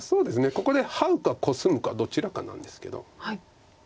ここでハウかコスむかどちらかなんですけど。